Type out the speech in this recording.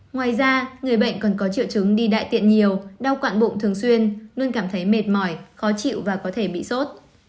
ngoài ra người bệnh còn có triệu chứng đi đại tiện nhiều đau quạn bụng thường xuyên luôn cảm thấy mệt mỏi khó chịu và có thể bị sốt